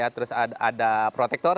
terus ada protektor